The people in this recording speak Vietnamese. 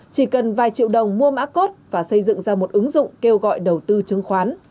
chỉ cần vài triệu đồng mua mã cốt và xây dựng ra một ứng dụng kêu gọi đầu tư chứng khoán